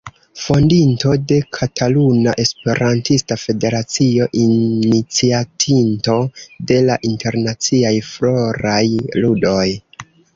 Fondinto de Kataluna Esperantista Federacio, iniciatinto de la Internaciaj Floraj Ludoj.